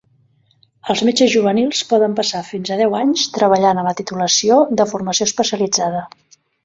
Els metges juvenils poden passar fins a deu anys treballant a la titulació de formació especialitzada.